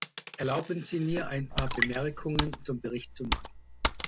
Erlauben Sie mir, ein paar Bemerkungen zum Bericht zu machen.